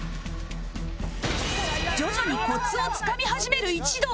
徐々にコツをつかみ始める一同